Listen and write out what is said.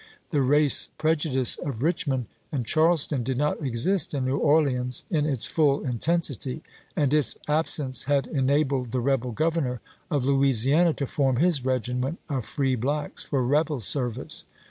The race prejudice of Richmond and Charleston did not exist in New Orleans in its full intensity, and its absence had enabled the rebel Grovernor of Louisiana to form his regiment of free blacks for rebel service.